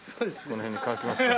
この辺で乾きますよ。